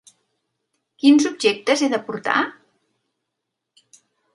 Quins objectes he de portar?